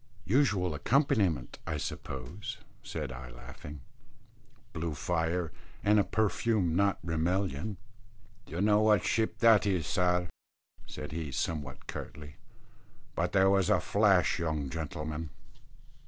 "Usual accompaniment, I suppose," said I, laughing; "blue fire, and a perfume not Rimmelian." "Dunno what ship that is, sir," said he somewhat curtly; "but there was a flash, young gentleman."